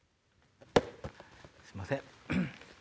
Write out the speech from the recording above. すいません。